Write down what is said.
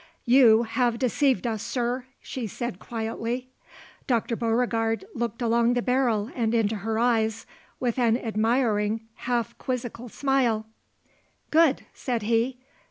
"You have deceived us, sir," she said quietly. Dr. Beauregard looked along the barrel and into her eyes with an admiring, half quizzical smile. "Good," said he.